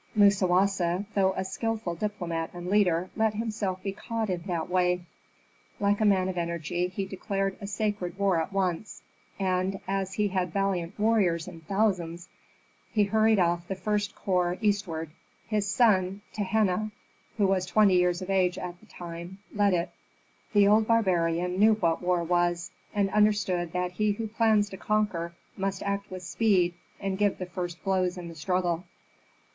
Musawasa, though a skilful diplomat and leader, let himself be caught in that way. Like a man of energy, he declared a sacred war at once, and, as he had valiant warriors in thousands, he hurried off the first corps eastward. His son, Tehenna, who was twenty years of age at that time, led it. The old barbarian knew what war was, and understood that he who plans to conquer must act with speed and give the first blows in the struggle.